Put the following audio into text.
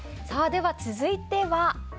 では続いては。